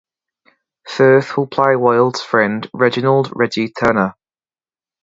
Firth will play Wilde's friend Reginald "Reggie" Turner.